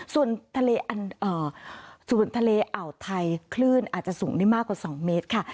ส่วนทะเลอ่าวไทยคลื่นอาจจะสูงได้มากกว่า๒เมตรค่ะ